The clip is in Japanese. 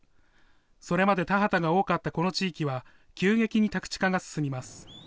それまで田畑が多かったこの地域は、急激に宅地化が進みます。